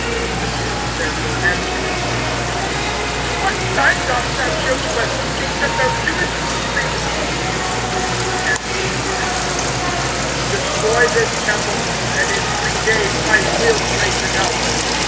(18)The Jews therefore answered and said to him: What sign dost thou show to us, seeing that thou doest these things? (19)Jesus answered and said to them: Destroy this temple, and in three days I will raise it up.